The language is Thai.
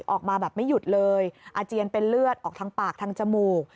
ออกมาแบบไม่หยุดเลยอาเจียนเป็นเลือดออกทางปากทางจมูก